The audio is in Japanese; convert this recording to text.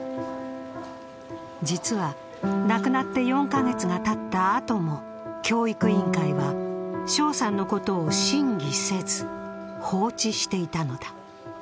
実は、亡くなって４か月がたったあとも、教育委員会は翔さんのことを審議せず、放置していたのだ。